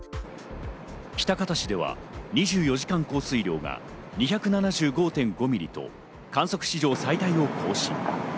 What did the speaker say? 喜多方市では２４時間降水量が２７５．５ミリと観測史上最大を更新。